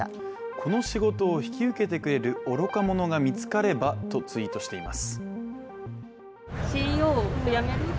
この仕事を引き受けてくれる愚か者が見つかればとツイートしています。